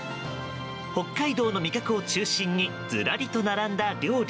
北海道の味覚を中心にずらりと並んだ料理